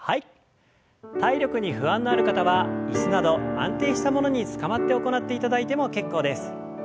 体力に不安のある方は椅子など安定したものにつかまって行っていただいても結構です。